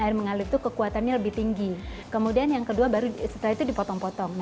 air mengalir itu kekuatannya lebih tinggi kemudian yang kedua baru setelah itu dipotong potong